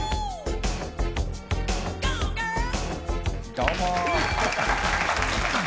どうも。